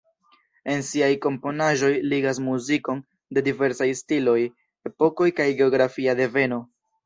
En siaj komponaĵoj ligas muzikon de diversaj stiloj, epokoj kaj geografia deveno.